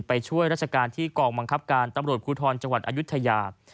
ไปช่วยราชการที่กองบังคับการตำรวจภูทรจังหวัดอายุทยา